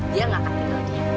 dia nggak akan tinggal diam